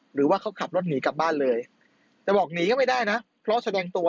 หรือว่าเขาขับรถหนีกลับบ้านเลยแต่บอกหนีก็ไม่ได้นะเพราะแสดงตัว